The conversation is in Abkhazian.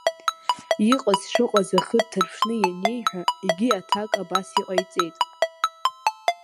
Иҟаз шыҟаз ахы дҭарԥшны ианиеиҳәа, егьи аҭак абас иҟаиҵеит…